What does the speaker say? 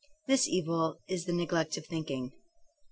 This evil is the neglect of thinking.